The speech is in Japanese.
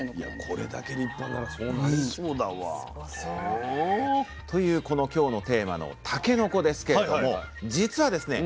これだけ立派ならそうなりそうだわ。というこの今日のテーマのたけのこですけれども実はですね